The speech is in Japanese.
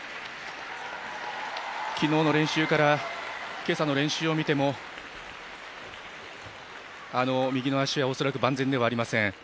昨日の練習から今朝の練習を見ても右の足は恐らく万全ではありません。